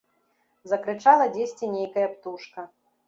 Закрычала дзесьці нейкая птушка.